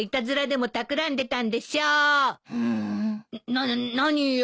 なっ何よ。